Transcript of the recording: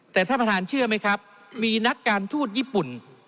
แต่ท่านประธานเชื่อไหมครับมีนักการทูตญี่ปุ่น